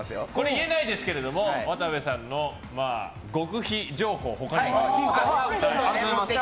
言えないですけど渡部さんの極秘情報他にもあります。